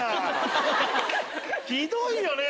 ひどいよね！